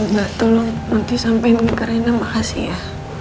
mbak tolong nanti sampein ke rena makasih ya